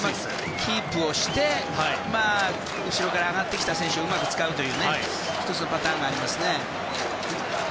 キープをして後ろから上がってきた選手をうまく使うという１つのパターンがありますね。